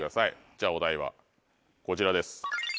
じゃあお題はこちらです。